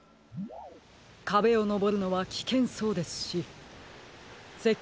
かべをのぼるのはきけんそうですしせっ